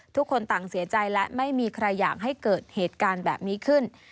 ทุกคนต่างเสียใจและไม่มีใครอยากให้เกิดเหตุการณ์แบบนี้ขึ้น